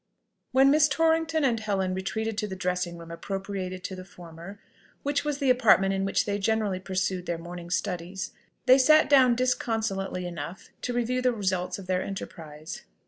When Miss Torrington and Helen retreated to the dressing room appropriated to the former, which was the apartment in which they generally pursued their morning studies, they sat down disconsolately enough to review the results of their enterprise.